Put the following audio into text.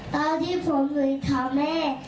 ตอนที่ผมหนุนทางแม่